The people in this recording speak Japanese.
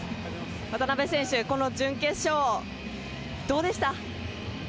渡辺選手、この準決勝どうでした？